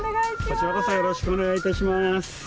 こちらこそよろしくお願いいたします。